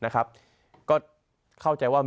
ก็เข้าใจว่า